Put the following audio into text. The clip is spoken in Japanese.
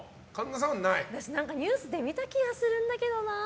私、ニュースで見た気がするんだけどな。